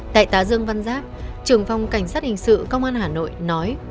đại tá dương văn giáp trưởng phòng cảnh sát hình sự công an hà nội nói